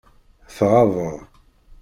Tɣabeḍ.